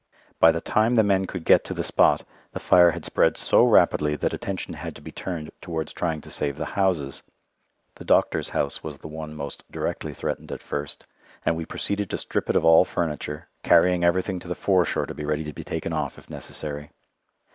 By the time the men could get to the spot the fire had spread so rapidly that attention had to be turned towards trying to save the houses. The doctor's house was the one most directly threatened at first, and we proceeded to strip it of all furniture, carrying everything to the fore shore to be ready to be taken off if necessary.